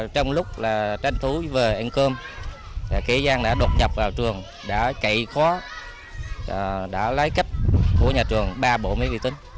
trong lúc là tranh thú về ăn cơm cái gian đã đột nhập vào trường đã cậy khó đã lái cách của nhà trường ba bộ máy tính